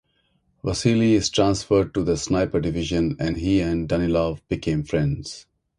Vasily is transferred to the sniper division, and he and Danilov become friends.